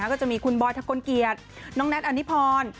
ก็จะมีคุณบอยทะกลเกียรติน้องแน็ตอนิพร